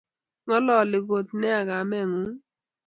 Ng'ololi koot nee kameng'ung'?